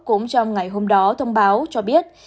cũng trong ngày hôm đó thông báo cho biết